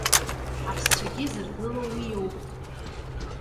Аԥсцәагьы зыргыло уи иоуп.